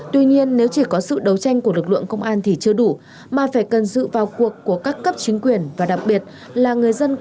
tuy nhiên nếu chỉ có sự đấu tranh của lực lượng công an thì chưa đủ mà phải cần dự vào cuộc của các cấp chính quyền